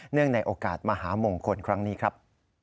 ในโอกาสมหามงคลครั้งนี้ครับ